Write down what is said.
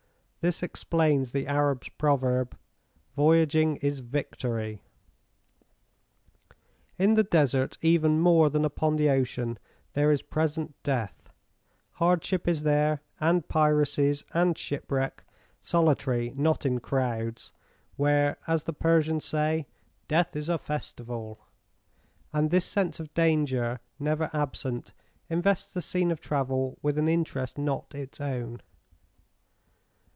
This explains the Arab's proverb, "Voyaging is victory." In the Desert, even more than upon the ocean, there is present death: hardship is there, and piracies, and shipwreck, solitary, not in crowds, where, as the Persians say, "Death is a Festival"; and this sense of danger, never absent, invests the scene of travel with an interest not its own.